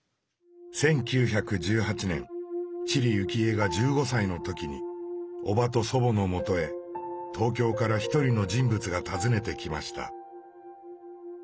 １９１８年知里幸恵が１５歳の時に伯母と祖母のもとへ東京から一人の人物が訪ねてきました。